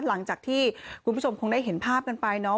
หลังจากที่คุณผู้ชมคงได้เห็นภาพกันไปเนาะ